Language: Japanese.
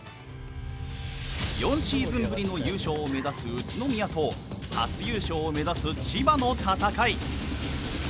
４シーズンぶりの優勝を目指す宇都宮と初優勝を目指す千葉との戦い。